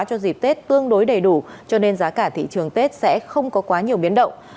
cho dịp tết tương đối đầy đủ cho nên giá cả thị trường tết sẽ không có quá nhiều biến động